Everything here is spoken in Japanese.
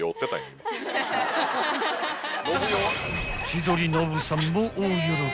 ［千鳥ノブさんも大喜び］